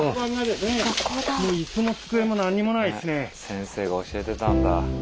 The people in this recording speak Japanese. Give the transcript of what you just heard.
先生が教えてたんだ。